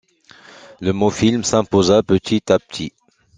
Le mot film s’imposa petit à petit.